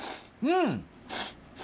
うん⁉